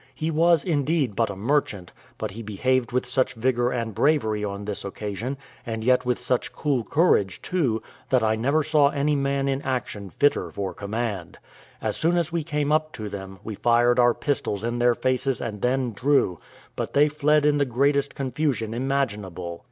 He was, indeed, but a merchant, but he behaved with such vigour and bravery on this occasion, and yet with such cool courage too, that I never saw any man in action fitter for command. As soon as we came up to them we fired our pistols in their faces and then drew; but they fled in the greatest confusion imaginable.